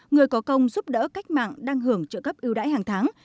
người có công giúp đỡ cách mạng đang hưởng trợ cấp ưu đãi hàng tháng